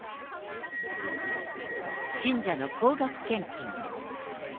信者の高額献金。